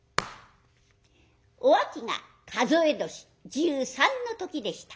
お秋が数え年１３の時でした。